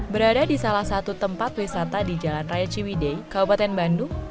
berada di salah satu tempat wisata di jalan raya ciwidei kabupaten bandung